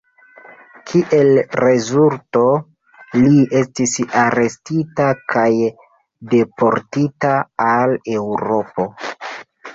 Kiel rezulto, li estis arestita kaj deportita al Eŭropo.